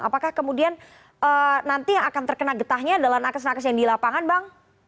apakah kemudian nanti yang akan terkena getahnya adalah nakas nakas yang dilapangan bang